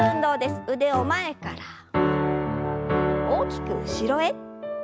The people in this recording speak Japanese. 腕を前から大きく後ろへ。